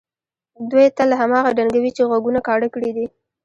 دوی تل هماغه ډنګوي چې غوږونه کاڼه کړي دي.